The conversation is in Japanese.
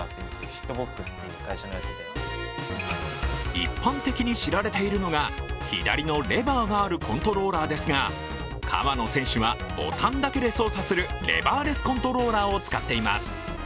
一般的に知られているのが左のレバーがあるコントローラーですが川野選手はボタンだけで操作するレバーレスコントローラーを使っています。